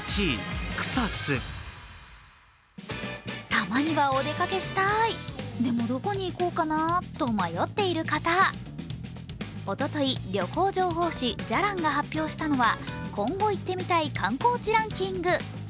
たまには、お出かけしたーい、、でもどこに行こうかなと迷っている方、おととい旅行情報誌「じゃらん」が発表したのは今後行ってみたい観光地ランキング。